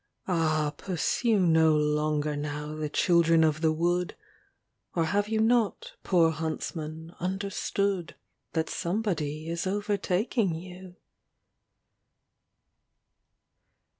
Ah, pursue No longer now the children of the wood ; Or have you not, poor huntsman, understood That somebody is overtaking you